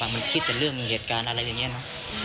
มันคิดแต่เรื่องมีเหตุอะไรอย่างนี้นะ